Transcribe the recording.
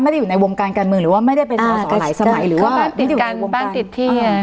ไม่ได้อยู่ในวงการการมือหรือว่าไม่ได้เป็นส่อส่อหลายสมัยหรือว่าบ้างติดกันบ้างติดที่อ่ะ